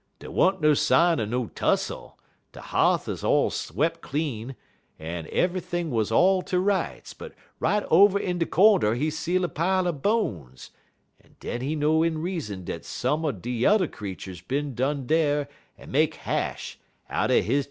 Dey wa'n't no sign er no tussle; de h'a'th 'uz all swep' clean, en eve'ything wuz all ter rights, but right over in de cornder he see a pile er bones, en den he know in reason dat some er de yuther creeturs done bin dar en make hash outen he chilluns.